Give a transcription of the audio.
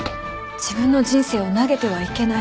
自分の人生を投げてはいけない。